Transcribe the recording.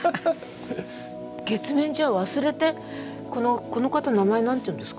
月面じゃあ忘れてこの方名前何ていうんですか？